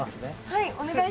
はい。